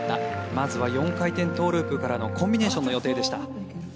まずは４回転トウループからのコンビネーションの予定でした。